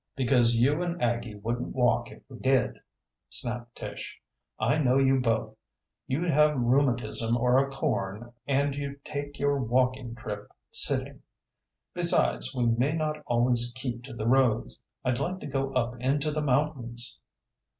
"Because you and Aggie wouldn't walk if we did," snapped Tish. "I know you both. You'd have rheumatism or a corn and you'd take your walking trip sitting. Besides, we may not always keep to the roads. I'd like to go up into the mountains."